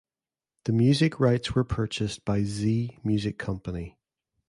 The music rights were purchased by Zee Music Company.